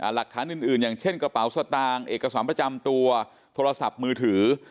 หลักฐานอื่นอย่างเช่นกระเป๋าสตางค์เอกสารประจำตัวโทรศัพท์มือถือ